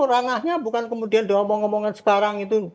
rangahnya bukan kemudian doang ngomong ngomongan sekarang itu